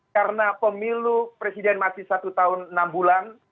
karena pemilu presiden masih satu tahun enam bulan